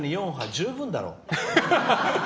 十分だろ！